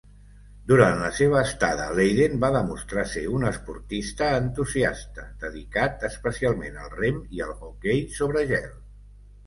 Durant la seva estada a Leiden va demostrar ser un esportista entusiasta, dedicat especialment al rem i al hoquei sobre gel.